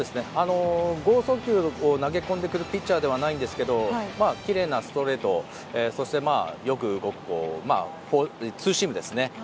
剛速球を投げ込んでくるピッチャーではないんですけどきれいなストレートそしてよく動くツーシームですね。